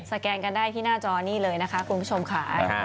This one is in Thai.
แกนกันได้ที่หน้าจอนี่เลยนะคะคุณผู้ชมค่ะ